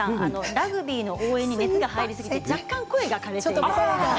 ラグビーの応援に熱が入りすぎて若干、声がかれているんです。